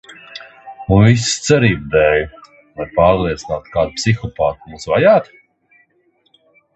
Un viss cerību dēļ, lai pārliecinātu kādu psihopātu mūs vajāt?